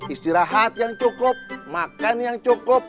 istirahat yang cukup makan yang cukup